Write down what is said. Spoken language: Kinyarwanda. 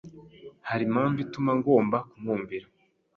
Hari impamvu ituma ngomba kumwumvira?